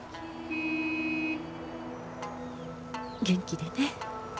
元気でね。